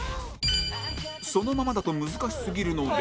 そのままだと難しすぎるので